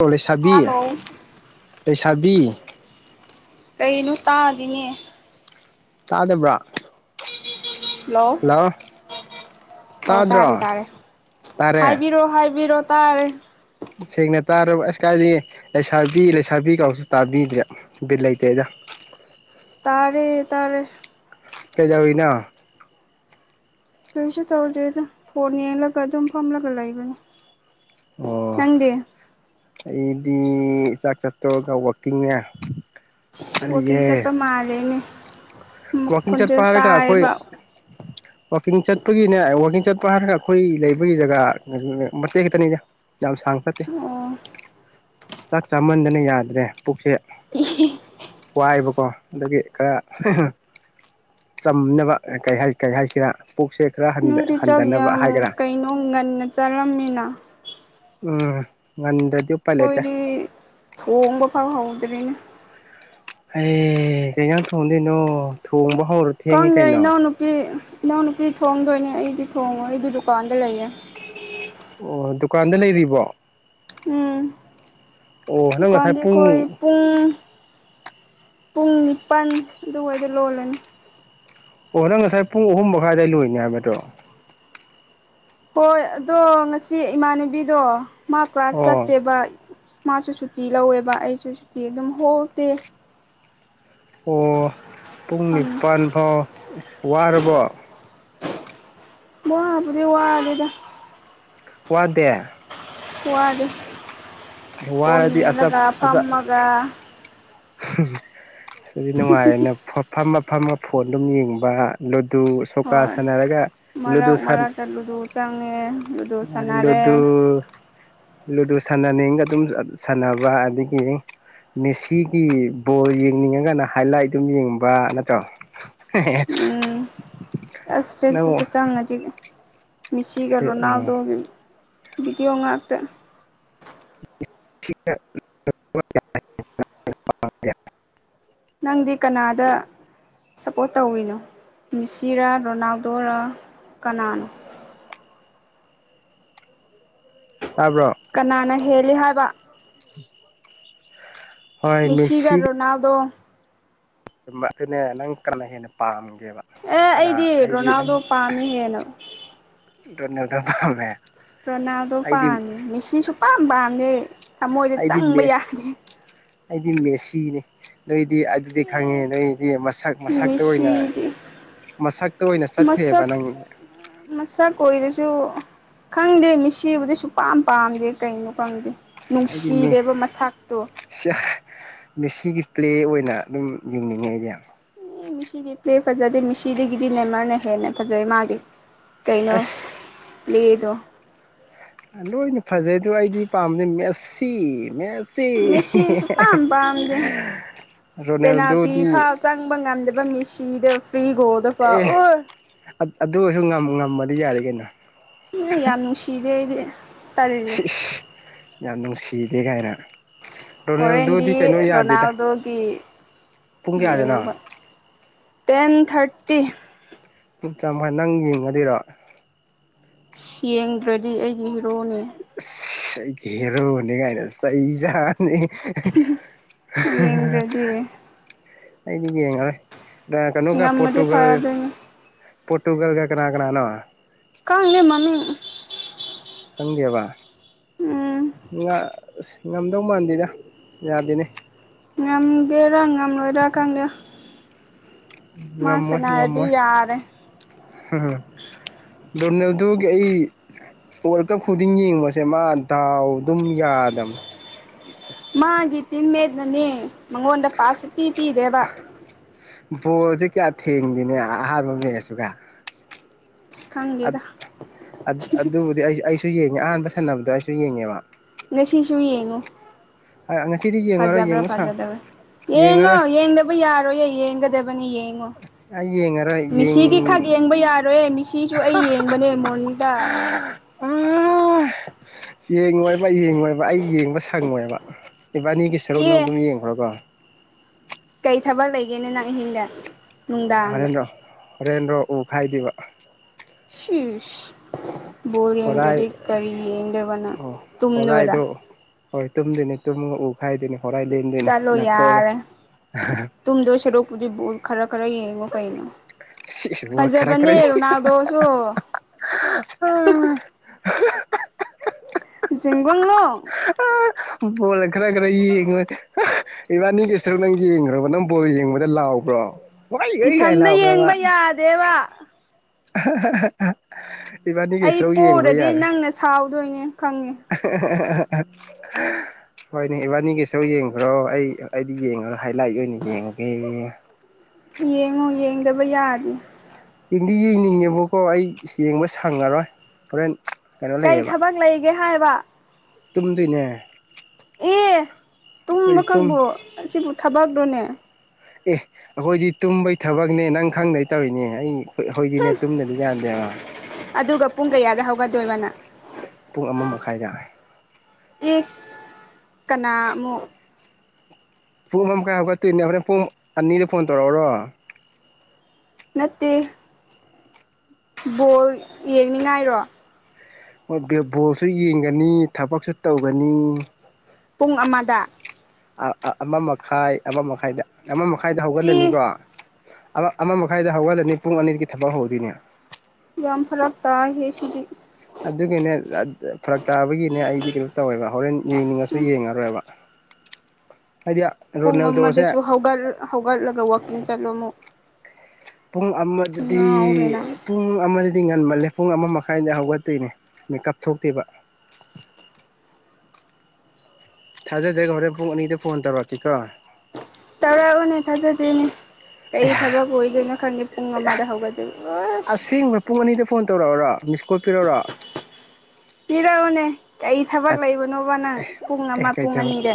ꯑꯣꯂꯦ ꯁꯥꯕꯤ ꯍꯜꯂꯣ ꯂꯩꯁꯥꯕꯤ ꯀꯩꯅꯣ ꯇꯥꯗꯅꯦ ꯆꯥꯗꯕ꯭ꯔꯥ ꯍꯜꯂꯣ ꯑꯣ ꯇꯥꯗ꯭ꯔꯣ ꯇꯥꯔꯦ ꯇꯥꯔꯦ ꯇꯥꯔꯦ ꯍꯥꯏꯕꯤꯔꯣ ꯍꯥꯏꯕꯤꯔꯣ ꯇꯔꯦ ꯁꯦꯡꯅ ꯇꯥꯔꯕ ꯑꯁ ꯀꯥꯏꯗꯤ ꯂꯩꯁꯥꯕꯤ ꯂꯩꯁꯥꯕꯤ ꯀꯥꯎꯁꯨ ꯇꯥꯕꯤꯗ꯭ꯔꯦ ꯕꯤꯠ ꯂꯩꯇꯦꯗ ꯇꯥꯔꯦ ꯇꯥꯔꯦ ꯄꯖꯥꯎꯅ ꯀꯩꯁꯨ ꯇꯧꯗꯦꯗ ꯐꯣꯟ ꯌꯦꯡꯂꯒ ꯑꯗꯨꯝ ꯐꯝꯂꯒ ꯂꯩꯕꯅꯤ ꯑꯣ ꯅꯪꯗꯤ ꯑꯩꯗꯤ ꯆꯥꯛ ꯆꯠꯇꯣꯛꯔꯒ ꯋꯥꯛꯀꯤꯡꯅꯦ ꯋꯀꯤꯡ ꯆꯠꯄ ꯃꯥꯜꯂꯦꯅꯦ ꯋꯥꯀꯤꯡ ꯆꯠ ꯈꯣꯟꯖꯦꯜ ꯄꯥꯔꯗ ꯑꯩꯈꯣꯏ ꯇꯥꯏꯌꯦꯕ ꯋꯥꯋꯥꯛꯀꯤꯡ ꯆꯠꯄꯒꯤꯅꯦ ꯋꯥꯛꯀꯤꯡ ꯆꯠꯄ ꯍꯥꯏꯔꯒ ꯑꯩꯈꯣꯏ ꯂꯩꯕꯒꯤ ꯖꯒꯥ ꯃꯇꯦꯛ ꯈꯛꯇꯅꯤꯅꯦ ꯌꯥꯝ ꯁꯥꯡ ꯐ ꯑꯣ ꯆꯥꯛ ꯆꯥꯃꯟꯗꯅ ꯌꯥꯗ꯭ꯔꯦ ꯄꯨꯛꯁꯦ ꯋꯥꯏꯕꯀꯣ ꯑꯗꯒꯤ ꯈꯔ ꯆꯝꯅꯕ ꯀꯩ ꯍꯥꯏꯁꯤꯔꯥ ꯄꯨꯛꯁꯦ ꯈꯔ ꯅꯣꯢꯗꯤ ꯆꯥꯛ ꯍꯟꯊꯅꯕ ꯌꯥꯝ ꯍꯥꯏꯒꯦꯔꯥ ꯀꯩꯅꯣ ꯉꯟꯅ ꯆꯥꯔꯝꯃꯤꯅ ꯎꯝ ꯉꯟꯗ ꯑꯩꯈꯣꯏꯗꯤ ꯊꯣꯡꯕ ꯐꯥꯎ ꯍꯥꯎ ꯇꯔꯤꯅ ꯑꯦ ꯀꯩꯌꯥ ꯊꯣꯡꯗꯣꯏꯅꯣ ꯊꯣꯡꯕ ꯍꯧꯔ ꯊꯦꯡꯉꯤ ꯀꯪ ꯀꯩꯅꯣ ꯏꯅꯥꯎ ꯅꯨꯄꯤ ꯏꯅꯥꯎꯅꯨꯄꯤ ꯊꯣꯡꯗꯣꯏꯅꯦ ꯑꯩꯗꯤ ꯊꯣꯡꯉꯣ ꯑꯩꯗꯤ ꯗꯨꯀꯥꯟꯗ ꯂꯩꯌꯦ ꯑꯣ ꯗꯨꯀꯥꯟꯗ ꯂꯩꯔꯤꯕꯣ ꯎꯝ ꯑꯣ ꯅꯪ ꯉꯁꯥꯏ ꯗꯨꯀꯥꯟꯗꯤ ꯄꯨꯡ ꯈꯣꯏ ꯄꯨꯡ ꯄꯨꯡ ꯄꯟ ꯑꯗꯨ ꯑꯣꯏ ꯗꯥꯂꯣꯜꯂꯅꯤ ꯑꯣ ꯅꯪ ꯉꯁꯥꯏ ꯄꯨꯡ ꯑꯍꯨꯝ ꯃꯈꯥꯏꯋꯥꯏ ꯂꯣꯏꯅꯦ ꯍꯥꯏꯕꯗꯣ ꯍꯣꯏ ꯑꯗꯣ ꯉꯁꯤ ꯏꯃꯥꯟꯅꯕꯤꯗꯣ ꯃꯥ ꯀ꯭ꯂꯥꯁ ꯑꯣ ꯆꯠꯇꯦꯕ ꯃꯥꯁꯨ ꯁꯨꯇꯤ ꯂꯧꯋꯦꯕꯥ ꯑꯩꯁꯨ ꯁꯨꯇꯤ ꯑꯗꯨꯝ ꯍꯣꯡꯗꯦ ꯑꯣ ꯄꯨꯡ ꯐꯝꯃꯤ ꯅꯤꯄꯜ ꯐꯥꯎ ꯑꯁ ꯋꯥꯔꯕꯣ ꯕꯄꯗꯤ ꯋꯥꯗꯗ ꯋꯥꯗꯦ ꯋꯥꯗ ꯋꯥꯔꯗꯤ ꯑꯆꯥ ꯄꯨꯜꯂꯒ ꯐꯝꯃꯒ ꯎꯝ ꯁꯨꯗꯤ ꯅꯨꯡꯉꯥꯏꯌꯦꯅ ꯐꯝ ꯑꯄꯥꯝꯕ ꯐꯣꯟ ꯑꯗꯨꯝ ꯌꯦꯡꯕ ꯂꯨꯗꯨ ꯁꯣꯀꯥ ꯍꯣꯏ ꯁꯥꯟꯅꯔꯒ ꯂꯨꯗꯨ ꯃꯔꯥꯛ ꯁꯥꯟ ꯃꯔꯥꯛꯛꯇ ꯂꯨꯗꯗꯨ ꯆꯪꯉꯦ ꯂꯨꯗꯗꯨ ꯁꯥꯥꯟꯅꯔꯦ ꯂꯨꯗꯨ ꯁꯥꯟꯅꯅꯤꯒ ꯑꯗꯨꯝ ꯁꯥꯟꯅꯕ ꯑꯗꯒꯤ ꯃꯦꯁꯤꯒꯤ ꯕꯣꯜ ꯌꯦꯡꯅꯤꯡꯉꯒꯅ ꯍꯥꯏ ꯂꯥꯏꯠ ꯑꯗꯨꯝ ꯌꯦꯡꯕ ꯅꯠꯇ꯭ꯔꯣ ꯎꯝ ꯑꯁ ꯅꯪ ꯐꯦꯁꯕꯨꯛꯛꯇ ꯆꯪꯅ ꯊꯤꯒꯦ ꯃꯦꯁꯤꯒ ꯑꯣ ꯔꯣꯅꯥꯜꯗꯣꯒ ꯕꯤꯗꯤꯑꯣ ꯉꯥꯛꯇ [inaudible] ꯅꯪꯗꯤ ꯀꯅꯥꯗ ꯁꯞꯄꯣꯔꯠ ꯇꯧꯏꯤꯅꯣ ꯃꯤꯁꯤꯔꯥ ꯔꯣꯅꯥꯜꯗꯣꯔ ꯀꯅꯥꯅꯣ ꯇꯥꯕ꯭ꯔꯣ ꯀꯅꯥꯅꯤ ꯍꯦꯜꯂꯤ ꯍꯥꯏꯕ ꯃꯦꯁꯤꯒ ꯔꯣꯅꯥꯜꯗꯣꯒ ꯑꯗꯨꯅꯦ ꯅꯪ ꯀꯅꯥ ꯍꯦꯟꯅ ꯄꯥꯝꯒꯦ ꯑꯦ ꯑꯩꯗꯤ ꯔꯣꯅꯥꯜꯗꯣ ꯄꯥꯝꯃꯤꯍꯦꯅ ꯅꯗꯝ ꯐꯝꯃꯦ ꯄ꯭ꯔꯣꯅꯥꯗꯣ ꯄꯥꯝꯃꯦ ꯃꯤꯁꯤꯡꯁꯨ ꯄꯥꯝ ꯄꯥꯝꯗꯤꯦ ꯊꯃꯣꯏꯗ ꯆꯪꯕ ꯑꯩꯗꯤ ꯌꯥꯅꯤꯦ ꯑꯩꯗꯤ ꯃꯦꯁꯤꯅꯦ ꯑꯗꯨ ꯗꯤ ꯑꯗꯨꯗꯤ ꯈꯪꯉꯦ ꯅꯪꯗꯤ ꯃꯁꯛ ꯃꯁꯛꯇ ꯑꯣꯏꯅ ꯃꯤꯁꯤꯗꯤ ꯃꯁꯛꯇ ꯑꯣꯏꯅ ꯆꯠꯊ꯭ꯔꯑꯦꯕ ꯃꯁꯛ ꯅꯪ ꯁꯨ ꯈꯪꯗꯦ ꯃꯤꯁꯤꯕꯨꯗꯤ ꯁꯨ ꯄꯝ ꯄꯥꯝꯗꯦ ꯀꯩꯅꯣ ꯈꯪꯗꯦ ꯑꯩꯗꯤ ꯅꯨꯡꯁꯤꯕ ꯃꯁꯇꯣ ꯃꯦꯁꯤꯒꯤ ꯄ꯭ꯂꯦ ꯑꯣꯏꯅ ꯑꯗꯨꯝ ꯌꯦꯡꯅꯤꯡꯉꯦ ꯑꯩꯗꯤ ꯑꯦ ꯃꯤꯁꯤꯗꯤ ꯄ꯭ꯂꯦ ꯐꯖꯗꯦ ꯃꯤꯁꯤꯗꯒꯤꯗꯤ ꯅꯦꯃꯔꯅ ꯍꯦꯟꯅ ꯐꯖꯩ ꯃꯥꯒꯤ ꯀꯩꯅꯣ ꯑꯁ ꯂꯤꯗꯣ ꯂꯣꯏꯅ ꯐꯖꯩ ꯑꯗ ꯑꯩꯗꯤ ꯄꯥꯝꯝꯕꯗꯤ ꯃꯦꯠꯁꯤ ꯃꯦ ꯃꯦꯁꯤꯁꯨ ꯄꯥꯝ ꯄꯥꯝꯗꯦ ꯄꯦꯅꯥꯜꯇꯤ ꯔꯣꯅꯦꯜꯗꯣꯗꯤ ꯐꯥ ꯆꯪꯕ ꯉꯝꯗꯕ ꯃꯤꯦꯁꯤ ꯆꯤꯗꯥ ꯐ꯭ꯔꯤꯒꯣ ꯗꯐꯥ ꯑꯦ ꯑꯣꯏ ꯑꯗꯨ ꯑꯣꯏꯔꯁꯨ ꯉꯝꯃꯗꯤ ꯌꯥꯔꯦ ꯀꯩꯅꯣ ꯎ ꯌꯥꯝ ꯅꯨꯡꯁꯤꯖꯦ ꯑꯩꯗꯤ ꯇꯔꯤꯌꯦ ꯁꯤꯁ ꯌꯥꯝ ꯅꯨꯡꯁꯤꯗꯦ ꯀꯥꯏꯔ ꯍꯣꯔꯦꯟꯗꯤ ꯔꯣꯅꯥꯜꯗꯣꯒꯤ ꯄꯨꯡ ꯀꯌꯥꯗꯅꯣ ꯌꯦꯡꯕ ꯇꯦꯟ ꯊꯥꯔꯇꯤ ꯇꯦ ꯆꯃꯥꯏ ꯅꯪ ꯌꯦꯡꯉꯗꯣꯏꯔꯣ ꯌꯦꯡꯗ꯭ꯔꯗꯤ ꯑꯩꯒꯤ ꯍꯤꯔꯣꯅꯦ ꯈꯦꯔꯣ ꯍꯧꯅꯤꯒ ꯍꯥꯏꯅ ꯆꯩꯖꯥ ꯑ ꯌꯦꯡꯗ꯭ꯔꯗꯤ ꯑꯩꯗꯤ ꯌꯦꯡꯉꯔꯦ ꯀꯩꯅꯣꯀ ꯉꯝꯃꯗꯤ ꯄꯣꯇꯨꯒꯜ ꯐꯗꯣꯏꯅꯤ ꯄꯣꯔꯇꯨꯒꯜꯒ ꯀꯅꯥ ꯀꯅꯥꯅꯣ ꯀꯥꯒꯦ ꯃꯃꯤ ꯁꯟꯗꯕ ꯏ ꯑꯁ ꯉꯝꯗꯧ ꯃꯥꯟꯗꯦꯅ ꯌꯥꯗꯦꯅꯦ ꯉꯒꯦꯔꯉ ꯉ ꯂꯣꯏꯔꯀꯪꯒ ꯉꯝꯃꯣꯏ ꯉꯝꯃꯣꯏ ꯌꯥꯔꯦ ꯗꯣꯅꯦꯜꯗꯨꯣꯒꯤ ꯑꯩ ꯋꯥꯔꯜ ꯀꯞ ꯈꯨꯗꯤꯡ ꯌꯦꯡꯕꯁꯦ ꯃꯥ ꯗꯥꯎ ꯑꯗꯨꯝ ꯌꯥꯗꯕꯅꯦ ꯃꯥꯒꯤ ꯊ ꯃꯦ ꯅꯅꯦ ꯃꯉꯣꯟꯗ ꯄꯁꯨ ꯄꯄꯤ ꯄꯤꯗꯦꯕ ꯕꯣꯁꯦ ꯀꯌꯥ ꯊꯦꯡꯗꯅꯦ ꯑꯍꯥꯟꯕ ꯂꯩꯁꯨꯒ ꯑꯁ ꯈꯪꯗꯦꯗ ꯑꯗꯨꯕꯨꯗꯤ ꯑꯩ ꯑꯩꯁꯨ ꯌꯦ ꯑ ꯑꯍꯥꯟꯕ ꯁꯥꯟꯅꯕꯗꯣ ꯑꯩꯁꯨ ꯌꯦꯡꯉꯦꯕ ꯉꯁꯤꯁꯨ ꯌꯦꯡꯉꯨ ꯉꯁꯤꯗꯤ ꯌꯦꯡꯉꯔꯣꯏ ꯐꯖꯕ꯭ꯔꯥ ꯌꯦꯡꯕ ꯁꯪ ꯐꯖꯗꯕ꯭ꯔꯥ ꯌꯦꯡꯉꯣ ꯌꯦꯡꯉꯔꯣꯏ ꯌꯦꯡꯗꯕ ꯌꯥꯔꯣꯏꯌꯦ ꯀꯗꯦꯕꯅꯤꯌꯦ ꯌꯦꯉꯣ ꯑꯩ ꯌꯦꯡꯉꯔꯣꯏ ꯌꯦꯡ ꯃꯤꯁꯤꯒꯤ ꯈꯛ ꯌꯦꯡꯕ ꯌꯥꯔꯣꯏ ꯃꯤꯁꯤꯁꯨ ꯑꯩ ꯌꯦꯡꯕꯅꯦ ꯃꯣꯔꯅꯤꯡꯗ ꯑꯥ ꯌꯦꯡꯉꯣꯏꯕ ꯌꯦꯡꯣꯏꯕ ꯑꯩ ꯌꯦꯡꯕ ꯁꯪꯉꯣꯏꯕ [inaudible] ꯏꯕꯥꯅꯤꯒꯤ ꯁꯔꯨꯛꯅꯪ ꯑꯦ ꯑꯗꯨꯝ ꯌꯦꯡꯈ꯭ꯔꯣꯀꯣ ꯀꯩ ꯊꯕꯛ ꯂꯩꯒꯦꯅꯦ ꯅꯪ ꯑꯍꯤꯡꯗ ꯅꯨꯡꯗꯥꯡꯒ ꯔꯦꯟꯔꯣ ꯎ ꯈꯥꯏꯗꯕ ꯁꯤꯁ ꯕꯣꯔ ꯌꯦꯡꯗ꯭ꯔꯗꯤ ꯍꯣꯔꯥꯏ ꯀꯔꯤ ꯌꯦꯡꯗꯕꯅꯣ ꯇꯨꯝꯗꯣꯏꯔꯥ ꯇꯨꯝꯗ‌ꯦꯅꯤ ꯇꯨꯝꯉ ꯎ ꯈꯥꯏꯗꯣꯏꯅꯤ ꯍꯣꯔꯥꯏ ꯂꯦꯟꯗꯣꯏꯅꯤ ꯆꯠꯂꯣ ꯅꯥꯀꯣꯛꯑꯒ ꯌꯥꯔꯦ ꯇꯨꯡꯗꯣꯏ ꯁꯔꯨꯛꯄꯨꯗꯤ ꯈꯔ ꯈꯔ ꯌꯦꯡ ꯀꯩꯅꯣ ꯁꯤꯁꯤꯕꯨ ꯈꯔ ꯈꯔ ꯐꯖꯕꯅꯦ ꯔꯣꯅꯥꯜꯗꯣꯁꯨ ꯆꯤꯡꯒꯜꯂꯣ ꯕꯣꯜꯒ ꯈꯥꯔ ꯈꯔ ꯌꯦꯡꯉꯨꯔꯣꯏ ꯏꯕꯥꯅꯤꯒꯤ ꯁꯔꯨꯛ ꯅꯪ ꯌꯦꯡꯈ꯭ꯔꯕ ꯅꯪ ꯕꯣꯏ ꯌꯦꯡꯕꯗ ꯂꯥꯎꯕ꯭ꯔꯣ ꯋꯥꯏ ꯑꯩ ꯀꯥꯏ ꯏꯊꯟꯗ ꯌꯦꯡꯕ ꯂꯥꯎꯕ꯭ꯔꯕ ꯌꯥꯗꯦꯕ [inaudible] ꯑꯩ ꯁꯔꯨꯛ ꯌꯦꯡꯈ꯭ꯔꯣ ꯄꯣꯛꯎꯔꯗꯤ ꯌꯥꯔꯦ ꯅꯪꯅ ꯁꯥꯎꯗꯣꯏꯅꯦ ꯈꯪꯉꯦ ꯍꯣꯏꯅꯦ ꯏꯕꯥꯅꯤꯒꯤꯁꯨꯔ ꯌꯦꯡꯈ꯭ꯔꯣ ꯑꯩ ꯑꯩꯗꯤ ꯌꯦꯡꯉꯣ ꯍꯥꯏ ꯂꯥꯏꯠ ꯑꯣꯏꯅ ꯌꯦꯡꯉꯒꯦ ꯌꯦꯡꯉꯨ ꯌꯦꯡꯗꯕ ꯌꯥꯗꯦ ꯌꯦꯡꯗꯤ ꯌꯦꯡꯅꯤꯡꯉꯦꯕꯀꯣ ꯑꯩ ꯌꯦꯡꯕ ꯁꯪꯉꯔꯣꯏ ꯍꯣꯔꯦꯟ ꯀꯩꯅꯣ ꯀꯩ ꯊꯕꯛ ꯂꯩꯒꯦ ꯍꯥꯏꯕ ꯇꯨꯡꯗꯤꯟꯅ ꯑꯦ ꯇꯨꯝꯕ ꯀꯛꯕꯣ ꯁꯤꯕꯨ ꯊꯕꯥꯛꯂꯣꯅꯦ ꯑꯦ ꯑꯩꯈꯣꯏꯗꯤ ꯇꯨꯝꯕꯩ ꯊꯕꯛꯅꯦ ꯅꯪ ꯈꯪꯗꯩ ꯇꯧꯔꯤꯅꯦ ꯑꯩ ꯍ ꯍꯣꯏꯗꯤꯅꯦ ꯇꯨꯝꯅꯗꯤ ꯌꯥꯟꯗꯦꯕ ꯑꯗꯨꯒ ꯄꯨꯡ ꯀꯌꯥꯗ ꯍꯧꯒꯠꯗꯣꯏꯕ ꯅꯪ ꯄꯨꯡ ꯑꯃ ꯃꯈꯥꯏꯇ ꯌꯦ ꯀꯅ ꯑꯃꯨꯛ ꯄꯨꯡ ꯑꯃ ꯃꯈꯥꯏ ꯑꯃꯨꯛꯀ ꯇꯨꯅꯦꯅꯤꯅ ꯄꯨꯡ ꯑꯅꯤꯗ ꯐꯣꯟ ꯇꯧꯔꯛꯎꯔꯣ ꯅꯠꯇꯦ ꯕꯣꯜ ꯌꯦꯡꯅꯤꯉꯥꯏꯔꯣ ꯃꯣꯏ ꯕꯣꯜꯁꯨ ꯌꯦꯡꯒꯅꯤ ꯊꯕꯛꯁꯨ ꯇꯧꯒꯅꯤ ꯄꯨꯡ ꯑꯃꯗ ꯑꯃ ꯃꯈꯥꯏ ꯑꯃ ꯃꯈꯥꯏꯗ ꯑꯃ ꯃꯈꯥꯏꯗ ꯏ ꯍꯧꯒꯠꯂꯅꯤꯀꯣ ꯑꯃ ꯃꯈꯥꯏꯗ ꯍꯧꯒꯠꯂꯅꯤ ꯄꯨꯡ ꯑꯅꯤꯒꯤ ꯊꯕꯛ ꯍꯧꯗꯣꯏꯅꯦ ꯌꯥꯝ ꯐꯔꯛ ꯇꯥ ꯍꯦ ꯁꯤꯗꯤ ꯑꯗꯨꯒꯤꯅꯦ ꯐꯔꯛ ꯇꯥꯕꯒꯤꯅꯦ ꯑꯩꯗꯤ ꯀꯩꯅꯣ ꯇꯧꯋꯦꯕ ꯍꯣꯔꯦꯟ ꯌꯦꯡꯅꯤꯡꯉꯁꯨ ꯌꯦꯡꯉꯔꯣꯏꯕ ꯍꯥꯏꯗꯤ ꯄꯨꯡ ꯑꯃꯗꯁꯨ ꯔꯣꯅꯦꯜꯗꯣꯁꯦ ꯍꯧꯒꯠ ꯍꯧꯒꯠꯂꯒ ꯋꯥꯛꯀꯤꯡ ꯆꯠꯂꯣ ꯑꯃꯨꯛ ꯄꯨꯡ ꯑꯃꯗꯤ ꯉꯥꯎꯔꯦ ꯅꯪ ꯄꯨꯡ ꯑꯃ ꯉꯜꯂ ꯄ ꯑꯃ ꯃꯈꯥꯏ ꯍꯧꯒꯠꯇꯣꯏꯅꯦ ꯃꯦꯀꯞ ꯊꯣꯛꯇꯦꯕ ꯊꯥꯖꯗ꯭ꯔꯦꯒ ꯍꯣꯔꯦꯟ ꯄꯨꯡ ꯑꯅꯤꯗ ꯐꯣꯟ ꯇꯧꯔꯛꯀꯦꯀꯣ ꯇꯧꯔꯛꯎꯅꯦ ꯊꯥꯖꯗꯦꯅꯦ ꯀꯔꯤ ꯊꯕꯛ ꯑꯣꯏꯗꯣꯏꯅꯣ ꯈꯪꯒꯦ ꯄꯨꯡ ꯑꯃꯗ ꯍꯧꯒꯗꯦ ꯁ ꯑꯁꯦꯡꯕ ꯄꯨꯡ ꯑꯅꯤꯗ ꯐꯣꯟ ꯇꯧꯔꯛꯎꯔꯣ ꯃꯤꯁꯀꯣꯜ ꯄꯤꯔꯛꯎꯔꯣ ꯄꯤꯔꯛꯎꯅꯦ ꯀ ꯊꯕꯛ ꯂꯩꯕꯅꯣꯕ ꯅꯪ ꯄꯨꯡ ꯑꯦ ꯑꯃ ꯀꯩ ꯄꯨꯡ ꯑꯅꯤꯗ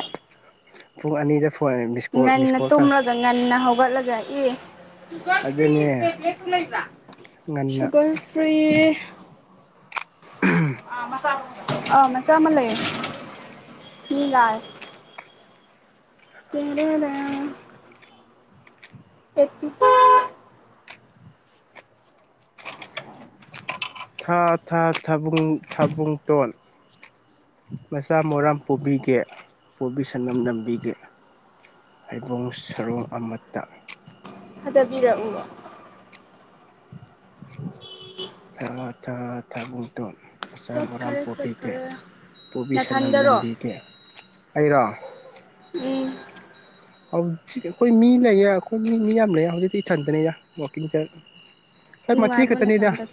ꯄꯨꯡ ꯑꯅꯤꯗ ꯐꯣꯟ ꯃꯤꯁꯀꯣꯜ ꯉꯟꯅ ꯃꯤꯁꯀꯣꯜ ꯇꯧ ꯇꯨꯝꯂꯒ ꯉꯟꯅ ꯍꯧꯒꯠꯂꯒ ꯏ ꯑꯗꯨꯅꯦ ꯉꯟꯅ ꯁꯨꯒꯔ ꯐ꯭ꯔꯤ ꯑ ꯃꯆꯥ ꯑꯃ ꯂꯩ ꯃꯤ ꯂꯥꯏ ꯆꯦꯔꯗ ꯑꯦꯆ ꯊꯥ ꯊꯥ ꯊꯕ ꯊꯥꯕꯨꯡꯇꯣꯟ ꯃꯆꯥ ꯃꯔꯥꯝ ꯄꯨꯕꯤꯒꯦ ꯄꯨꯕꯤꯁꯅꯝ ꯅꯝꯕꯤꯒꯦ ꯍꯩꯕꯣꯡ ꯁꯔꯣꯡ ꯑꯃꯠꯇ ꯊꯥꯗꯕꯤꯔꯛꯎꯕ ꯍ ꯊ ꯊꯥꯕꯨꯨꯡꯗꯣ ꯃꯆꯥ ꯃꯔꯔꯥꯝ ꯆꯠꯈ꯭ꯔꯦ ꯄꯣꯄꯤꯒꯦ ꯆꯠꯈ꯭ꯔꯦ ꯄꯣꯕꯤ ꯁꯅꯝ ꯅꯊꯟꯗꯔꯣ ꯂꯝꯕꯤꯒꯦ ꯑꯩꯔꯣ ꯎꯝ ꯍꯧꯖꯤꯛ ꯑꯩꯈꯣꯏ ꯃꯤ ꯂꯩꯌꯦ ꯑꯩꯈꯣꯏ ꯃꯤ ꯃꯤ ꯌꯥꯝ ꯂꯩꯌꯦ ꯍꯧꯖꯤꯛꯇꯤ ꯏꯊꯟꯗꯅꯦꯗ ꯋꯥꯛꯀꯤꯡ ꯍꯣꯏ ꯃꯇꯦ ꯅꯨꯡꯉꯥꯏꯕ꯭ꯔꯣ ꯈꯛꯇꯅꯤꯗ ꯅꯊꯟꯗ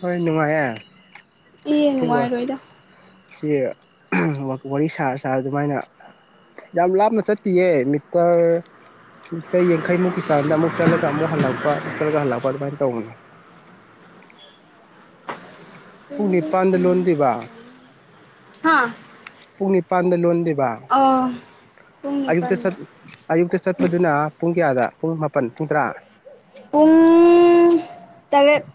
ꯍꯣꯏ ꯅꯨꯡꯉꯥꯏꯌꯦ ꯏ ꯁꯤ ꯋꯥ ꯅꯨꯡꯉꯥꯏꯔꯣꯏꯗ ꯁꯤ ꯋꯥꯔꯤ ꯁꯥꯔ ꯁꯥꯔ ꯑꯗꯨꯃꯥꯏꯅ ꯌꯥꯝ ꯂꯥꯞꯅ ꯆꯠꯇꯌꯦ ꯃꯤꯠ ꯇꯔꯇ ꯌꯥꯡꯈꯩꯃꯨꯛꯀꯤ ꯆꯥꯡꯗ ꯑꯃꯨꯛ ꯆꯠꯂꯒ ꯑꯃꯨꯛ ꯍꯜꯂꯛꯄ ꯑꯃꯨꯛ ꯆꯠꯂꯒ ꯍꯜꯂꯛꯄ ꯑꯗꯨꯃꯥꯏꯅ ꯇꯧꯕꯅꯦ ꯄꯨꯡꯅꯤꯄꯥꯟꯗ ꯂꯣꯟꯗꯤꯕꯥ ꯍꯥꯥ ꯄꯨꯡ ꯅꯤꯄꯥꯟꯗ ꯂꯣꯟꯗꯦ ꯋꯥ ꯄꯨꯡ ꯑꯌꯨ ꯁꯠ ꯅꯤꯄꯥꯟꯗ ꯑꯌꯨꯛꯇꯇꯩ ꯁꯠ ꯆꯄ ꯑꯗꯨꯅ ꯄꯨꯡ ꯀꯌꯥꯗ ꯄꯨꯡ ꯃꯥꯄꯜ ꯄꯨꯡ ꯇꯔꯥ ꯄꯨꯜ ꯇꯔꯦ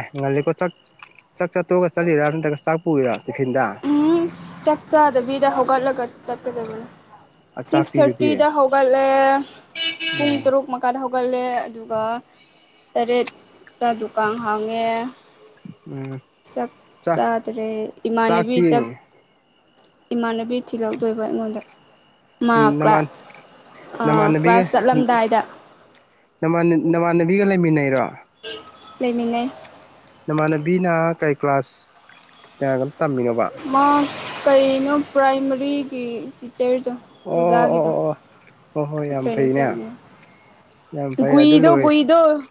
ꯑꯦ ꯉꯜꯂꯤꯀꯣ ꯆꯥꯛ ꯆꯥꯛ ꯆꯠꯇꯣꯛꯒ ꯆꯠꯂꯤꯔ ꯅꯠꯇ꯭ꯔꯒ ꯆꯥꯛ ꯄꯨꯏꯔꯣ ꯇꯤꯐꯤꯟꯗ ꯆꯠ ꯆꯗꯕꯤꯗ ꯍꯣꯒꯂꯒ ꯆꯄꯦꯗꯕꯅ ꯁꯤꯛꯁ ꯆꯥꯛꯇꯤꯗꯨꯗꯤ ꯊꯔꯇꯤꯗ ꯍꯒ ꯂꯦ ꯄꯨꯡ ꯎꯝ ꯇꯔꯨꯛ ꯃꯈꯥꯗ ꯍꯧꯒꯠꯂꯦ ꯑꯗꯨꯒ ꯇꯔꯦꯠ ꯗꯨꯀꯥꯟ ꯍꯥꯡꯉꯦ ꯎꯝ ꯆꯥꯛ ꯆꯥꯛ ꯆꯥꯗ꯭ꯔꯦ ꯏꯃꯥꯟꯅꯕꯤ ꯆꯥꯛꯇꯤ ꯆꯥꯛ ꯏꯃꯥꯟꯅꯕꯤ ꯊꯤꯜꯂꯧꯗꯣꯏꯕ ꯑꯩꯉꯣꯟꯗ ꯃꯥ ꯀ꯭ꯂꯥꯁ ꯅꯃꯥꯟꯕꯤꯒ ꯆꯠꯂꯝꯗꯥꯏꯗ ꯅꯃꯥꯟ ꯅꯃꯥꯟꯅꯕꯤꯒ ꯂꯩꯃꯤꯟꯅꯩꯔꯣ ꯑ ꯂꯩꯃꯤꯟꯅꯩ ꯅꯃꯥꯟꯅꯕꯤꯅ ꯀꯩ ꯀ꯭ꯂꯥꯁ ꯌꯥꯒꯅꯣ ꯇꯝꯃꯤꯅꯣꯕ ꯃꯥ ꯀꯩꯅꯣ ꯄ꯭ꯔꯥꯏꯃꯔꯤꯒꯤ ꯆꯦꯔꯤ ꯇꯣ ꯑꯣ ꯑꯣ ꯎꯖꯒꯤꯗꯣ ꯑꯣ ꯑꯣ ꯍꯣꯏ ꯍꯣꯏ ꯌꯥꯝ ꯐꯩꯅꯦ ꯌꯥꯝ ꯐꯩ ꯑꯗꯨ ꯒꯨꯨꯏꯗꯣ ꯂꯣꯏꯔꯦ ꯒꯨꯏꯗꯣ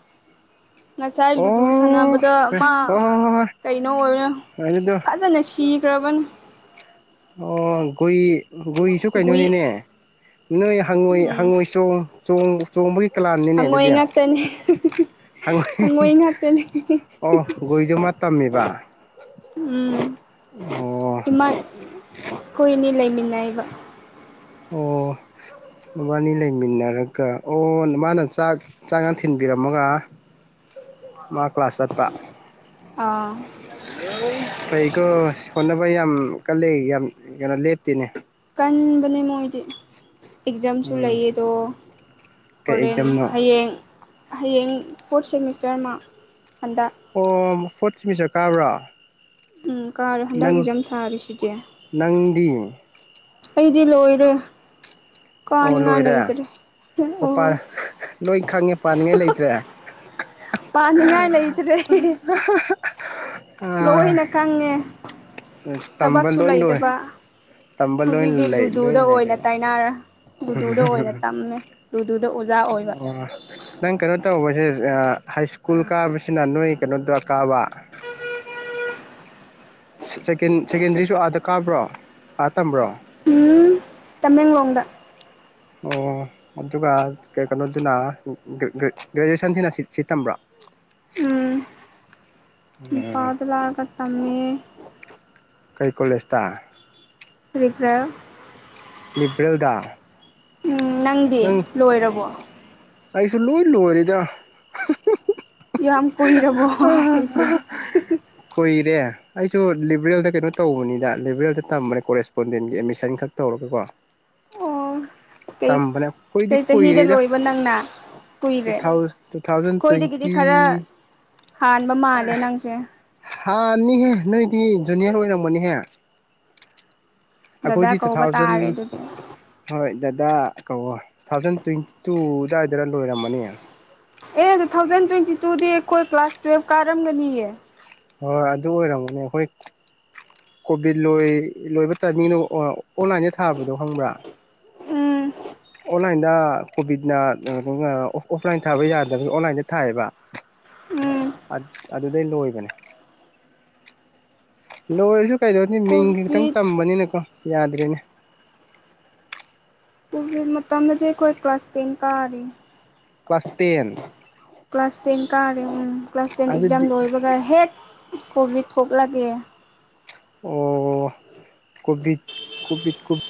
ꯉꯁꯥꯏ ꯂꯨꯗꯨ ꯑꯣ ꯁꯥꯟꯅꯕꯗ ꯍꯣꯏ ꯃꯥ ꯍꯣꯏ ꯍꯣꯏ ꯀꯩꯅꯣ ꯑꯣꯏꯔ ꯍꯣꯏ ꯑꯗꯨꯗꯣ ꯐꯖꯅ ꯁꯤ ꯗꯔꯥꯕꯟ ꯑꯣ ꯒꯨꯏ ꯒꯨꯏꯁꯨ ꯒꯨꯏ ꯀꯩꯅꯣꯅꯤꯅꯦ ꯅꯣꯏ ꯍꯥꯡꯉꯣꯏ ꯎꯝ ꯍꯥꯡꯉꯣꯏ ꯆꯣ ꯆꯣꯡ ꯆꯣꯡꯕ ꯍꯪꯉꯣꯏ ꯉꯥꯛꯇꯅꯤ ꯍꯪꯉꯣꯏ ꯉꯥꯛꯇꯅꯤ ꯑꯣ ꯒꯣꯏꯗꯨ ꯃꯥ ꯇꯝꯃꯤꯕ ꯎꯝ ꯑꯣ ꯇꯃ ꯀꯅ ꯃꯤ ꯑꯅꯤ ꯂꯩꯃꯤꯟꯅꯩꯕ ꯑꯣ ꯅꯕꯥꯅꯤ ꯂꯩꯃꯤꯟꯅꯔꯒ ꯑꯣ ꯃꯥꯅ ꯆꯥꯛ ꯆꯥꯒꯥꯡ ꯊꯤꯟꯕꯤꯔꯝꯃꯒ ꯂꯥꯛ ꯀ꯭ꯂꯥꯁ ꯆꯠꯄ ꯑꯥ ꯐꯩꯀꯣ ꯍꯣꯠꯅꯕ ꯌꯥꯝ ꯃꯨꯛꯀ ꯂꯩꯔꯗꯤ ꯌꯥꯝ ꯌꯥꯝꯅ ꯂꯦꯞꯇꯦꯅꯦ ꯀꯟꯕꯅꯦ ꯃꯣꯏꯗꯤ ꯑꯦꯛꯖꯥꯝꯁꯨ ꯎꯝ ꯂꯩꯌꯦꯗꯣ ꯀꯩ ꯍꯣꯔꯦꯟ ꯑꯦꯛꯖꯥꯝꯅꯣ ꯍꯌꯦꯡ ꯍꯌꯦꯡ ꯐꯣꯔ ꯁꯦꯃꯤꯁꯇꯔ ꯑꯃ ꯑꯣ ꯐꯣꯔꯠ ꯁꯦꯃꯤꯁꯇꯔ ꯀꯥꯕ꯭ꯔ ꯎꯝ ꯀꯥꯔꯦ ꯍꯟꯗꯛ ꯏꯛꯖꯥꯝ ꯊꯥꯔꯤꯁꯤꯗꯤ ꯅꯪꯗꯤ ꯑꯩꯗꯤ ꯂꯣꯏꯔꯦ ꯑꯣ ꯀꯥꯅꯤꯡꯉꯥꯏ ꯂꯣꯏꯔꯦ ꯂꯩꯇ꯭ꯔꯦ ꯑꯣ ꯄꯥ ꯑꯣ ꯂꯣꯏ ꯈꯪꯉꯦ ꯄꯥꯅꯤꯡꯉꯥꯏ ꯂꯩꯇ꯭ꯔꯦ ꯄꯥꯅꯤꯡꯉꯥꯏ ꯂꯩꯇ꯭ꯔꯦ [unintelligible] ꯂꯣꯏꯅ ꯈꯪꯉꯦ ꯇꯝꯕ ꯊꯕꯛꯁꯨ ꯂꯣꯏ ꯂꯣꯏ ꯂꯩꯇꯕ ꯇꯝꯕ ꯂꯣꯏ ꯍꯨꯖꯤꯛꯇꯤ ꯂꯩ ꯂꯣꯏ ꯂꯨꯗꯨꯗ ꯑꯣꯏꯅ ꯂꯩꯔꯦꯕ ꯇꯥꯏꯅꯔꯦ ꯂꯨꯗꯨꯗ ꯑꯣꯏꯅ ꯇꯝꯃꯦ ꯂꯨꯗꯨꯗ ꯑꯣꯖꯥ ꯑꯣꯏꯕ ꯑꯣ ꯅꯪ ꯀꯩꯅꯣ ꯇꯧꯕꯩ ꯍꯦꯖ ꯑꯥ ꯍꯥꯏꯁ꯭ꯀꯨꯜ ꯀꯥꯕꯁꯤꯅ ꯅꯣꯏ ꯀꯩꯅꯣꯗ ꯀꯥꯕ ꯁꯤꯛ ꯁꯦꯀꯦꯟ ꯁꯦꯀꯦꯟꯗ꯭ꯔꯤꯁꯨ ꯑꯥꯗ ꯀꯥꯕ꯭ꯔꯣ ꯑꯥ ꯇꯝꯕ꯭ꯔꯣ ꯎꯝꯍꯨꯝ ꯇꯃꯦꯡꯂꯣꯡꯗ ꯑꯣ ꯑꯗꯨꯒ ꯑꯥ ꯀ ꯀꯩꯅꯣꯗꯨꯅ ꯒꯔ ꯒꯔ ꯒ꯭ꯔꯦꯖꯨꯋꯦꯁꯟꯁꯤꯅ ꯁꯤ ꯁꯤ ꯇꯝꯕ ꯎꯝ ꯏꯝꯐꯥꯜꯗ ꯂꯥꯛꯑꯒ ꯐꯝꯃꯤꯌꯦ ꯀꯩ ꯀꯣꯂꯦꯁ ꯇ [unintelligible] ꯃꯦꯇꯤꯜ ꯗꯥ ꯎꯝ ꯅꯪꯗꯤ ꯂꯣꯏꯔꯕꯣ ꯑꯩꯁꯨ ꯂꯣꯏ ꯂꯣꯏꯔꯦꯗ ꯌꯥꯝ ꯀꯨꯏꯔꯕꯣꯍꯣ ꯑ ꯍꯥꯏꯔꯤꯁꯦ ꯀꯨꯏꯔꯦ ꯑꯩꯁꯨ ꯂꯤꯕ꯭ꯔꯦꯜꯗ ꯀꯩꯅꯣ ꯇꯧꯕꯅꯤꯗ ꯂꯤꯕ꯭ꯔꯦꯜꯗ ꯇꯝꯕꯅꯦ ꯀꯣꯔꯦꯁꯄꯣꯟꯗꯦꯟꯒꯤ ꯑꯦꯠꯃꯤꯁꯟ ꯈꯛ ꯇꯧꯔꯒꯀꯣ ꯑꯣ ꯀꯩ ꯇꯝꯕꯅꯦ ꯑꯩꯈꯣꯏꯗꯤ ꯀꯩ ꯆꯍꯤꯗ ꯀꯨꯏꯔꯦꯗ ꯂꯣꯏꯕ ꯅꯪꯅ ꯇꯨ ꯀꯨꯏꯔꯦ ꯊꯥꯎ ꯇꯨ ꯊꯥꯎꯖꯟ ꯈꯣꯏꯗꯒꯤꯗꯤ ꯇ꯭ꯋꯦꯟꯇꯤ ꯈꯔ ꯍꯥꯟꯕ ꯃꯥꯜꯂꯦ ꯅꯪꯁꯦ ꯍꯥꯟꯅꯤꯍꯦ ꯅꯣꯏꯗꯤ ꯖꯨꯅꯤꯌꯔ ꯑꯣꯏꯔꯝꯒꯅꯤꯍꯦ ꯗꯗꯥ ꯑꯈꯣꯏꯗꯤ ꯇꯨ ꯀꯧꯕ ꯊꯥꯎꯖꯟ ꯇꯥꯔꯦ ꯑꯗꯨꯗꯤ ꯍꯣꯏ ꯗ ꯗꯥ ꯀꯧꯋꯣ ꯇꯨ ꯊꯥꯎꯖꯟ ꯇ꯭ꯋꯦꯟꯇꯤ ꯇꯨ ꯑꯗꯨꯋꯥꯢꯗꯔ ꯂꯣꯏꯔꯝꯃꯅꯤ ꯑꯦ ꯇꯨ ꯊꯥꯎꯖꯟ ꯇ꯭ꯋꯦꯟꯇꯤ ꯇꯨꯗꯤ ꯑꯈꯣꯏ ꯀ꯭ꯂꯥꯁ ꯇ꯭ꯋꯦꯜꯞ ꯀꯥꯔꯝꯒꯅꯤꯌꯦ ꯍꯣꯏ ꯑꯗꯨ ꯑꯣꯏꯔꯝꯒꯅꯤ ꯑꯩꯈꯣꯏ ꯀꯣꯚꯤꯠ ꯂꯣꯏ ꯂꯣꯏꯕ ꯇꯥꯏꯃꯤꯡꯗꯣ ꯑꯥ ꯑꯣꯟꯂꯥꯏꯟꯗ ꯊꯥꯕꯗꯣ ꯈꯪꯕ꯭ꯔꯥ ꯎꯝ ꯑꯣꯟꯂꯥꯏꯟꯗ ꯀꯣꯚꯤꯠꯅ ꯇꯨ ꯊꯥꯎꯖꯟ ꯀꯌꯥꯅꯣ ꯑꯣ ꯑꯣꯐꯂꯥꯏꯟ ꯊꯥꯕ ꯌꯥꯗꯕꯒꯤ ꯑꯣꯟꯂꯥꯏꯟꯗ ꯊꯥꯏꯌꯦꯕ ꯎꯝ ꯑ ꯑꯗꯨꯗꯩ ꯂꯣꯏꯕꯅꯦ ꯂꯣꯏꯔꯁꯨ ꯀꯩꯗꯧ ꯑ ꯃꯤꯡꯒ ꯈꯤꯇꯪ ꯀꯣꯚꯤꯠ ꯇꯝꯕꯅꯤꯅꯀꯣ ꯌꯥꯗ꯭ꯔꯦꯅꯦ ꯍꯧꯖꯤꯛ ꯃꯇꯝꯗꯗꯤ ꯑꯩꯈꯣꯏ ꯀ꯭ꯂꯥꯁ ꯇꯦꯟ ꯀꯥꯔꯤ ꯀ꯭ꯂꯥꯁ ꯇꯦꯟ ꯄ꯭ꯂꯥꯁꯇꯤꯡ ꯀꯥꯔ ꯀ꯭ꯂꯥꯁ ꯇꯦꯟ ꯑꯦꯛꯖꯝ ꯑꯗꯨꯗꯤ ꯂꯣꯏꯕꯒꯦ ꯍꯦꯛ ꯀꯣꯚꯗ ꯍ ꯂꯒꯦ ꯑꯣ ꯀꯣꯚꯤꯠ ꯀꯣꯚꯤꯠ ꯀꯚ